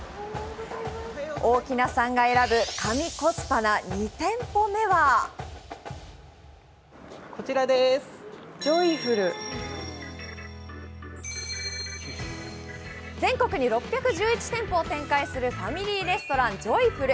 大木奈さんが選ぶ神コスパな２店舗目は全国に６１１店舗を展開するファミリーレストラン・ジョイフル。